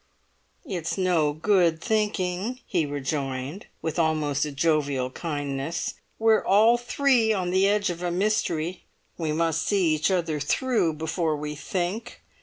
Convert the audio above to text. "It's no good thinking," he rejoined, with almost a jovial kindness. "We're all three on the edge of a mystery; we must see each other through before we think.